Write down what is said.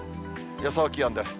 予想気温です。